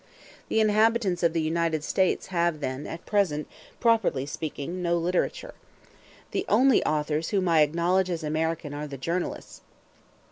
The inhabitants of the United States have then at present, properly speaking, no literature. The only authors whom I acknowledge as American are the journalists.